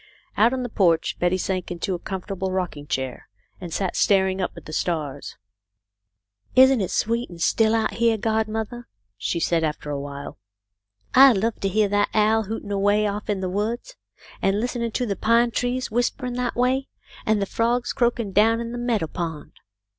Out on the porch Betty sank into a comfortable rocking chair, and sat looking up at the stars. " Isn't it sweet and still out here, godmother ?" she asked, after awhile. " I love to hear that owl hooting away BACK TO THE CUCKOO'S NEST. 45 off in the woods, and listen to the pine trees whisper ing that way, and the frogs croaking down in the meadow pond."